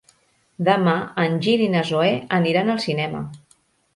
Demà en Gil i na Zoè aniran al cinema.